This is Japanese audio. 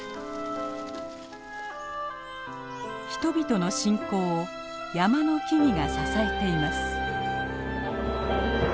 人々の信仰を山の木々が支えています。